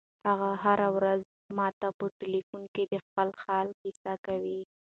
هغه هره ورځ ماته په ټیلیفون کې د خپل حال کیسه کوي.